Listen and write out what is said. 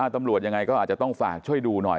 ตำรวจยังไงก็อาจจะต้องฝากช่วยดูหน่อย